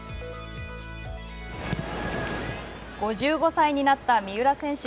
５５歳になった三浦選手。